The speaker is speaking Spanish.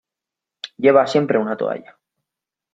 Lleva siempre una toalla.